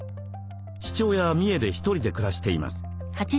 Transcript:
父親は三重で１人で暮らしています。